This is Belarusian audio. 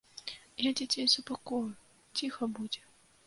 Я дзяцей супакою, ціха будзе.